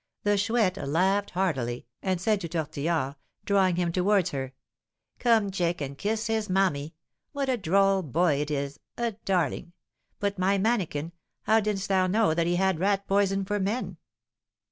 The Chouette laughed heartily, and said to Tortillard, drawing him towards her: "Come, chick, and kiss his mammy. What a droll boy it is a darling! But, my manikin, how didst know that he had 'rat poison for men'?"